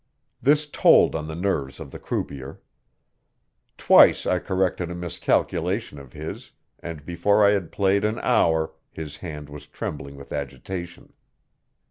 This told on the nerves of the croupier. Twice I corrected a miscalculation of his, and before I had played an hour his hand was trembling with agitation.